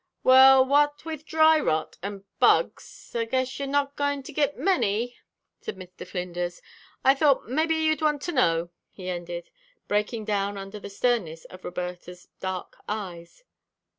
"Well, what with dry rot and bugs, I guess you're not goin' to git many," said Mr. Flinders. "I thought mebbe you'd want to know," he ended, breaking down under the sternness of Roberta's dark eyes.